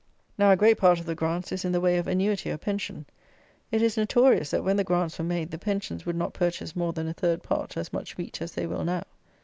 Now, a great part of the grants is in the way of annuity or pension. It is notorious, that, when the grants were made, the pensions would not purchase more than a third part of as much wheat as they will now.